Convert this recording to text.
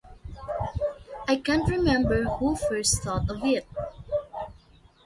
I can't remember who first thought of it.